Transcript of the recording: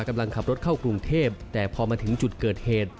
กำลังขับรถเข้ากรุงเทพแต่พอมาถึงจุดเกิดเหตุ